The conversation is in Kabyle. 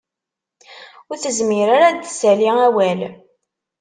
Ur tezmir ara ad d-tessali awal.